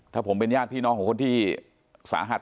ถ้าผมเป็นญาติพี่น้องของคนที่สาหัส